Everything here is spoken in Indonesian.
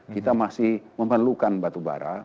kita masih memerlukan batubara